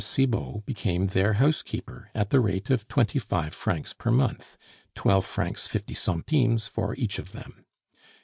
Cibot became their housekeeper at the rate of twenty five francs per month twelve francs fifty centimes for each of them.